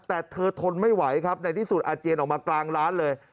แต่เธอทนไม่ไหวครับในที่สุดอาเจียนออกมากลางร้านเลย